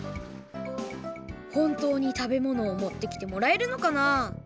ほんとうに食べ物を持ってきてもらえるのかな？